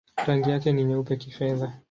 Rangi yake ni nyeupe-kifedha.